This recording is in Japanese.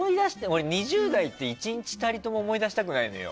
俺、２０代って１日たりとも思い出したくないのよ。